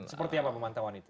seperti apa pemantauan itu